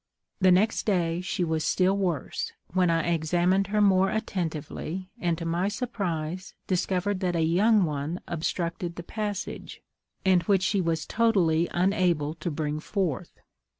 The next day she was still worse, when I examined her more attentively, and, to my surprise, discovered that a young one obstructed the passage, and which she was totally unable to bring forth.